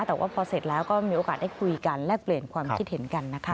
แต่ว่าพอเสร็จแล้วก็มีโอกาสได้คุยกันแลกเปลี่ยนความคิดเห็นกันนะคะ